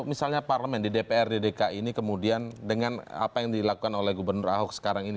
misalnya parlemen di dprd dki ini kemudian dengan apa yang dilakukan oleh gubernur ahok sekarang ini